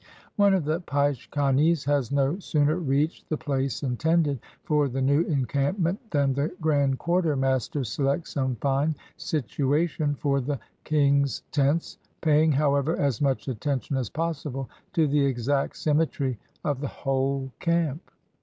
One of the peiche kanes has no sooner reached the place intended for the new encampment than the grand quartermaster selects some fine situation for the king's tents, paying, however, as much attention as possible to the exact symmetry of the whole camp.